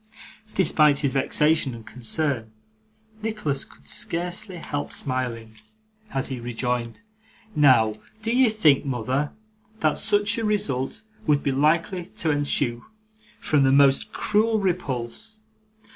Despite his vexation and concern, Nicholas could scarcely help smiling, as he rejoined, 'Now, do you think, mother, that such a result would be likely to ensue from the most cruel repulse?